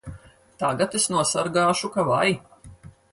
Tagad es nosargāšu ka vai!